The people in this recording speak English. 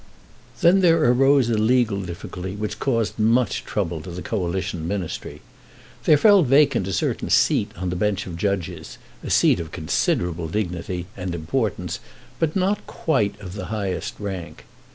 Then there arose a legal difficulty, which caused much trouble to the Coalition Ministry. There fell vacant a certain seat on the bench of judges, a seat of considerable dignity and importance, but not quite of the highest rank.